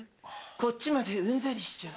こっちまでうんざりしちゃう。